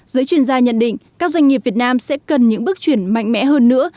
giới chuyên gia nhận định các doanh nghiệp việt nam sẽ cần những bước chuyển mạnh mẽ hơn nữa